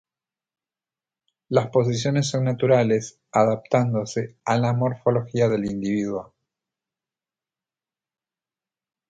Las posiciones son naturales, adaptándose a la morfología del individuo.